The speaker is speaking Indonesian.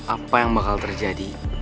apa yang bakal terjadi